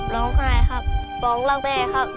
ร้องไห้ครับร้องรักแม่ครับ